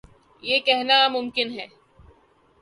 یہ کہنا ممکن ہے۔